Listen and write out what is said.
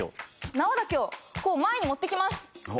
縄だけをこう前に持って来ます。